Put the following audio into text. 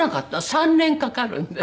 ３年かかるんです。